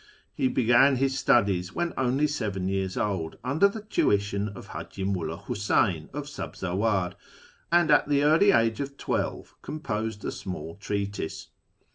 He began his studies when only seven years )ld, under the tuition of H;iji Mulla Huseyn of Sabzawar, and .t the early age of twelve composed a small treatise.